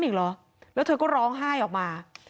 กังฟูเปล่าใหญ่มา